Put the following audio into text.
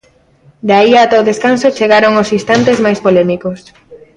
De aí ata o descanso chegaron os instantes máis polémicos.